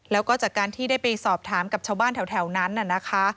แล้วก็จากการที่ได้ไปสอบถามกับชาวบ้านแถวนั้นน่ะนะคะ